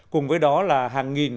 cùng với đó là hàng nghìn